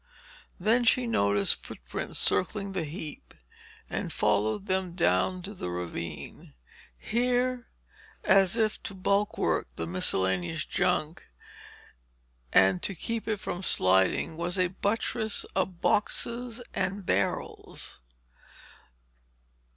Then she noticed footprints circling the heap and followed them down to the ravine. Here, as if to bulwark the miscellaneous junk and to keep it from sliding, was a buttress of boxes and barrels.